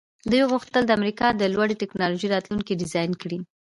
دوی غوښتل د امریکا د لوړې ټیکنالوژۍ راتلونکی ډیزاین کړي